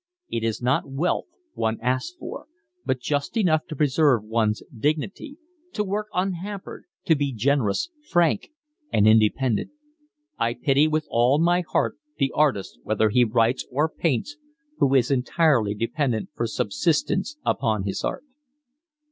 It is not wealth one asks for, but just enough to preserve one's dignity, to work unhampered, to be generous, frank, and independent. I pity with all my heart the artist, whether he writes or paints, who is entirely dependent for subsistence upon his art."